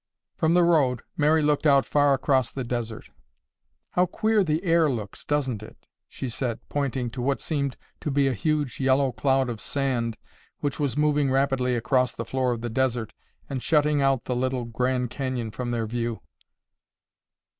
From the road, Mary looked out far across the desert. "How queer the air looks, doesn't it?" she said, pointing to what seemed to be a huge yellow cloud of sand which was moving rapidly across the floor of the desert and shutting out the Little Grand Canyon from their view.